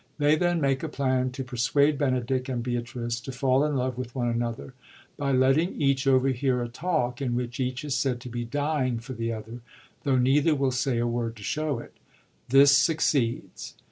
They then make a plan to persuade Benedick and Beatrice to fall in love with one another, by letting each overhear a talk in which each is said to be dying for the other, though neither will say a word to show it. This succeeds.